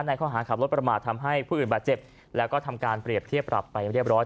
ข้อหาขับรถประมาททำให้ผู้อื่นบาดเจ็บแล้วก็ทำการเปรียบเทียบปรับไปเรียบร้อย